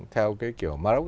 theo cái kiểu morocco